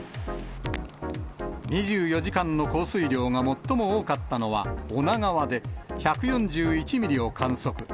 ２４時間の降水量が最も多かったのは女川で１４１ミリを観測。